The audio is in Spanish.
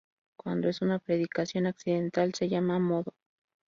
Cuando es una predicación accidental se llama Modo.